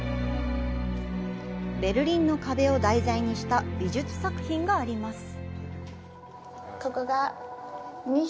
ベルリンの壁を題材にした美術作品があります。